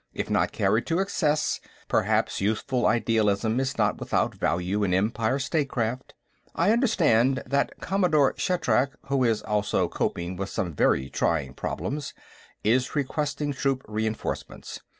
If not carried to excess, perhaps youthful idealism is not without value in Empire statecraft. I understand that Commodore Shatrak, who is also coping with some very trying problems, is requesting troop reenforcements.